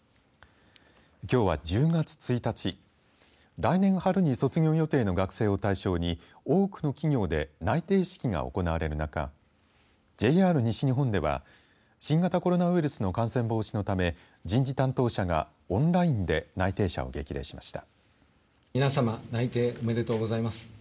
来年春に卒業予定の学生を対象に多くの企業で内定式が行われる中ＪＲ西日本では新型コロナウイルスの感染防止のため人事担当者がオンラインで内定者を激励しました。